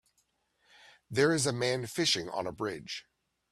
There is a man fishing on a bridge